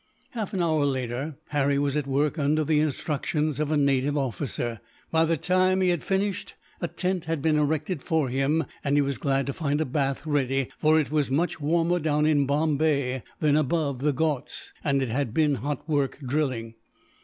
Half an hour later, Harry was at work under the instructions of a native officer. By the time he had finished, a tent had been erected for him; and he was glad to find a bath ready, for it was much warmer down in Bombay than above the Ghauts, and it had been hot work drilling.